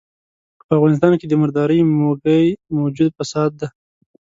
په افغانستان کې د مردارۍ موږی موجوده فساد دی.